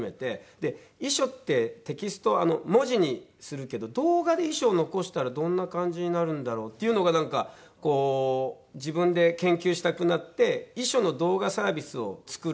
で遺書ってテキスト文字にするけど動画で遺書を残したらどんな感じになるんだろうっていうのが自分で研究したくなって遺書の動画サービスを作ろう。